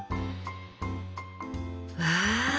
わあ！